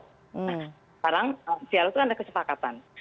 sekarang dialog itu kan ada kesepakatan